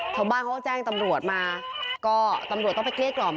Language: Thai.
ชาวบ้านเขาก็แจ้งตำรวจมาก็ตำรวจต้องไปเกลี้กล่อม